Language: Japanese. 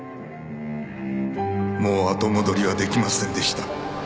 もう後戻りは出来ませんでした。